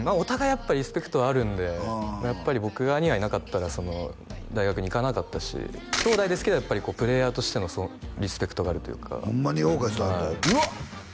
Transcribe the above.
やっぱりリスペクトはあるんでやっぱり僕兄がいなかったら大学に行かなかったしきょうだいですけどやっぱりプレーヤーとしてのリスペクトがあるというかホンマに評価してはったようわっ！